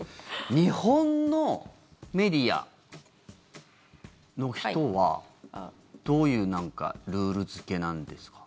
日本のメディアの人はどういうルール付けなんですか？